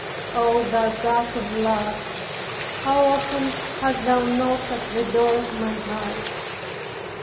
Oh, thou God of love, how often hast Thou knocked at the door of my heart!